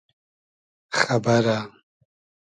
خئبئرۂ